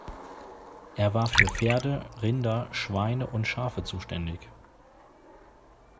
Er war für Pferde, Rinder, Schweine und Schafe zuständig.